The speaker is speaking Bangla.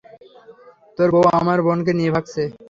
তোর বউ আমার বোনকে নিয়ে ভাগছে।